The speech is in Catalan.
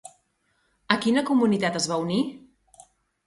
A quina comunitat es va unir?